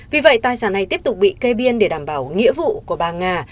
vì vậy tài sản này tiếp tục bị cây biên để đảm bảo nghĩa vụ của bà nga